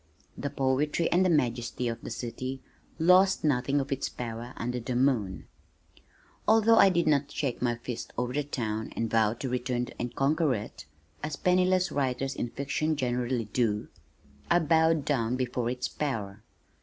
The poetry and the majesty of the city lost nothing of its power under the moon. Although I did not shake my fist over the town and vow to return and conquer it (as penniless writers in fiction generally do) I bowed down before its power.